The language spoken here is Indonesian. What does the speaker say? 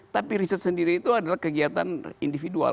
tapi riset sendiri itu adalah kegiatan individual